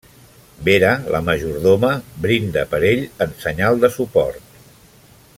Vera, la majordoma, brinda per ell en senyal de suport.